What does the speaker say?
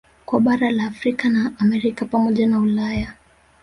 Kwa bara la Afrika na Amerika pamoja na Ulaya